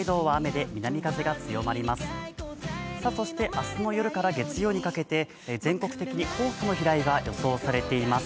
明日の夜から月曜にかけて全国的に黄砂の飛来が予想されています。